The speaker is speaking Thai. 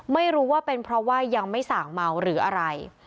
ไม่รู้ว่าเป็นเพราะว่ายังไม่สั่งเมาหรืออะไร